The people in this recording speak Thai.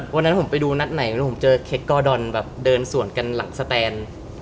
วันนั้นมันไปดูนัดไหนมันเจอเคคกอดอนเดินสวนกันหลังแสน